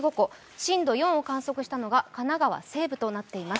震度４を観測したのが神奈川西部となっています。